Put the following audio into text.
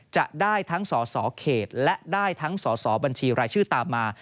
จะได้ทั้งสสเขตและได้ทั้งสอสอบัญชีรายชื่อตามมา